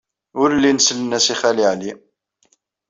Ur llin sellen-as i Xali Ɛli.